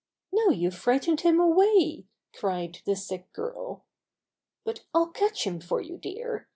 "Now you've frightened him away!" cried the sick girl. "But I'll catch him for you, dear.